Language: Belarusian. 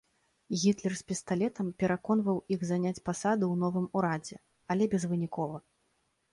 Гітлер з пісталетам пераконваў іх заняць пасады ў новым урадзе, але безвынікова.